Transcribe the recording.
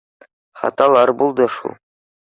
Хаталар булды шул